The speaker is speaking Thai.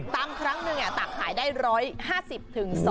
ตำครั้งนึงตักขายได้๑๕๐๒๐๐ถุง